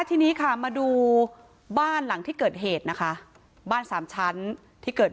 ทีนี้ค่ะมาดูบ้านหลังที่เกิดเหตุนะคะบ้านสามชั้นที่เกิด